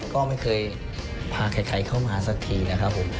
ก็ไม่เคยพาใครเข้ามาสักทีนะครับผม